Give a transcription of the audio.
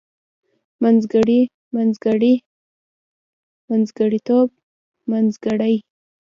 منځګړی منځګړي منځګړيتوب منځګړۍ